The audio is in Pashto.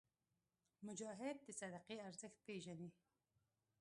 مجاهد د صدقې ارزښت پېژني.